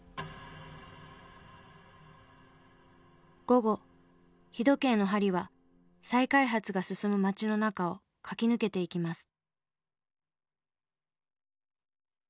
午後日時計の針は再開発が進む街の中を駆け抜けていきます。